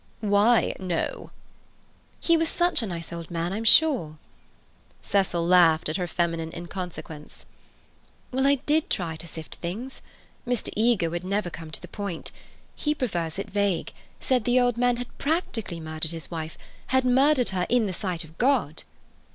"Why 'no'?" "He was such a nice old man, I'm sure." Cecil laughed at her feminine inconsequence. "Well, I did try to sift the thing. Mr. Eager would never come to the point. He prefers it vague—said the old man had 'practically' murdered his wife—had murdered her in the sight of God."